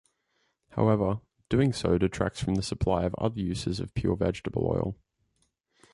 However, doing so detracts from the supply of other uses of pure vegetable oil.